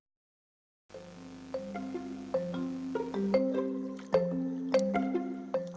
jembatan ini diperlukan oleh ibu perempuan ibu perempuan ibu perempuan